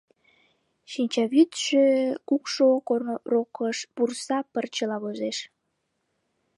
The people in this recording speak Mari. Шинчавӱдшӧ кукшо корно рокыш пурса пырчыла возеш.